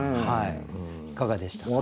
いかがでしたか？